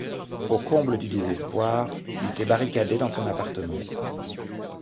Au comble du désespoir, il s'est barricadé dans son appartement.